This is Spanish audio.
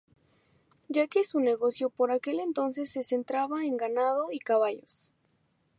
Ya que su negocio por aquel entonces se centraba en ganado y caballos.